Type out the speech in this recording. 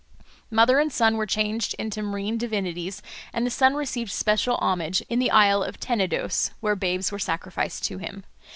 Mother and son were changed into marine divinities, and the son received special homage in the isle of Tenedos, where babes were sacrificed to him.